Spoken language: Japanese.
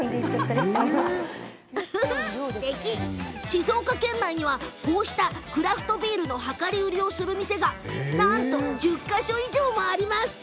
静岡県内にはこうしたクラフトビールの量り売りをする店が１０か所以上もあるんです。